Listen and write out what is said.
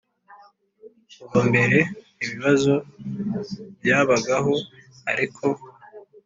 kuva mbere ibibazo byabagaho ariko